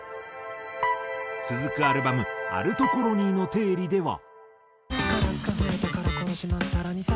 続くアルバム『アルトコロニーの定理』では。